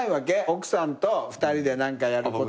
奥さんと２人で何かやることとか。